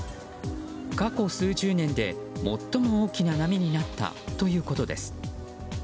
過去数十年で最も大きな波になったということです。